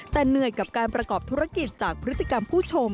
แต่เหนื่อยกับการประกอบธุรกิจจากพฤติกรรมผู้ชม